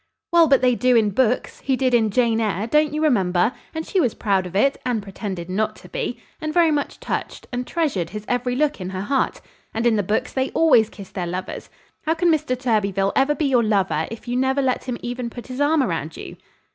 "Well, but they do in books. He did in 'Jane Eyre,' don't you remember? And she was proud of it and pretended not to be and very much touched, and treasured his every look in her heart. And in the books they always kiss their lovers. How can Mr. Thurbyfil ever be your lover, if you never let him even put his arm around you?"